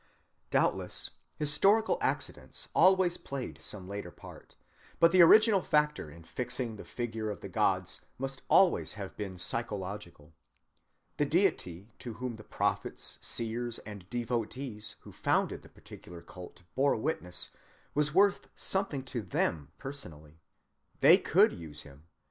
Doubtless historic accidents always played some later part, but the original factor in fixing the figure of the gods must always have been psychological. The deity to whom the prophets, seers, and devotees who founded the particular cult bore witness was worth something to them personally. They could use him.